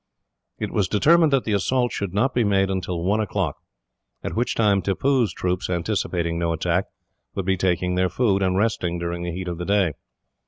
It was determined that the assault should not be made until one o'clock, at which time Tippoo's troops, anticipating no attack, would be taking their food, and resting during the heat of the day.